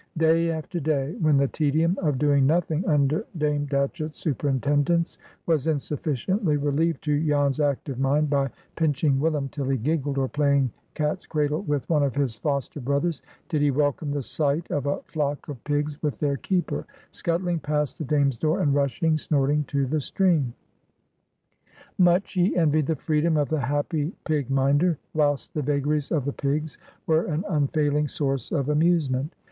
Day after day, when the tedium of doing nothing under Dame Datchett's superintendence was insufficiently relieved to Jan's active mind by pinching "Willum" till he giggled, or playing cat's cradle with one of his foster brothers, did he welcome the sight of a flock of pigs with their keeper, scuttling past the Dame's door, and rushing snorting to the stream. Much he envied the freedom of the happy pig minder, whilst the vagaries of the pigs were an unfailing source of amusement.